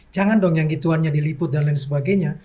jangan dong yang gituannya diliput dan lain sebagainya